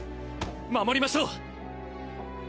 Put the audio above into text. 守りましょう！